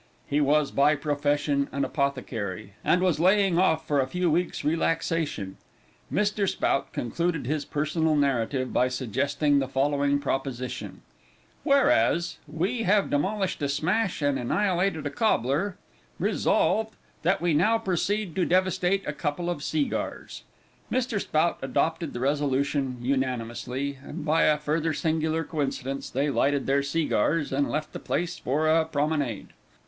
He was by profession an apothecary, and was laying off for a few weeks' relaxation. Mr. Spout concluded his personal narrative by suggesting the following proposition: Whereas, We have demolished a smash, and annihilated a cobler; Resolved, That we now proceed to devastate a couple of segars. Mr. Spout adopted the resolution unanimously, and by a further singular coincidence, they lighted their segars, and left the place for a promenade.